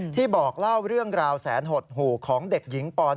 บอกเล่าเรื่องราวแสนหดหู่ของเด็กหญิงป๑